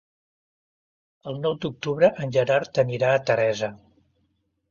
El nou d'octubre en Gerard anirà a Teresa.